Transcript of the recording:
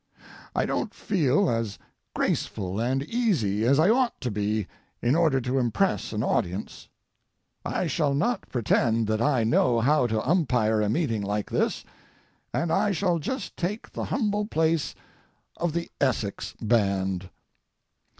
I don't feel as graceful and easy as I ought to be in order to impress an audience. I shall not pretend that I know how to umpire a meeting like this, and I shall just take the humble place of the Essex band.